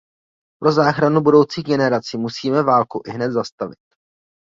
Pro záchranu budoucích generací musíme válku ihned zastavit.